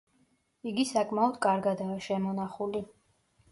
იგი საკმაოდ კარგადაა შემონახული.